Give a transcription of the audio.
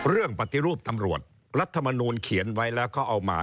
เรื่องปฏิรูปตำรวจรัฐมนูลเขียนไว้แล้วก็เอามา